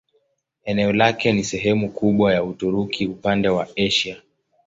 Eneo lake ni sehemu kubwa ya Uturuki upande wa Asia.